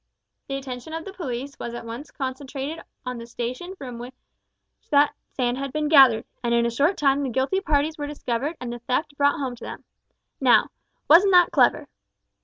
The attention of the police was at once concentrated on the station from which that sand had been gathered, and in a short time the guilty parties were discovered and the theft brought home to them. Now, wasn't that clever?"